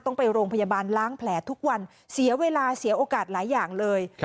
ต้องไปโรงพยาบาลล้างแผลทุกวันเสียเวลาเสียโอกาสหลายอย่างเลย